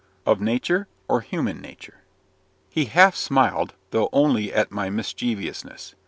"Of Nature, or human nature?" He half smiled, though only at my mischievousness.